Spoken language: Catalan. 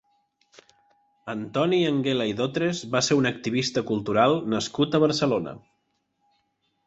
Antoni Anguela i Dotres va ser un activista cultural nascut a Barcelona.